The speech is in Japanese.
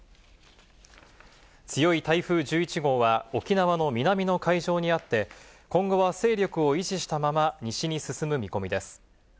強い台風１１号は、沖縄の南の海上にあって、今後は勢力を維持したまま西に進む見込みです。